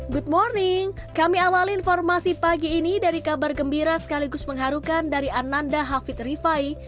good morning kami awal informasi pagi ini dari kabar gembira sekaligus mengharukan dari ananda hafid rifai